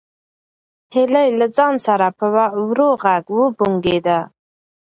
هیلې له ځان سره په ورو غږ وبونګېده.